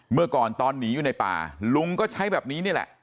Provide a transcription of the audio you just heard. เมื่อก่อนตอนหนีอยู่ในป่าลุงก็ใช้แบบนี้นี่แหละ